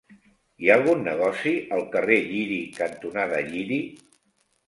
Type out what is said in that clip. Hi ha algun negoci al carrer Lliri cantonada Lliri?